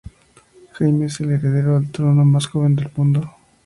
Jaime es el heredero al trono más joven del mundo.